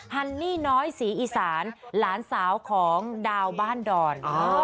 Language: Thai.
ฮันนี่น้อยศรีอีสานหลานสาวของดาวบ้านดอน